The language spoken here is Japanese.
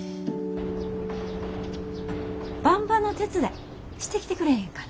ばんばの手伝いしてきてくれへんかな？